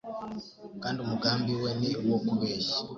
kandi umugambi we ni uwo kubeshya.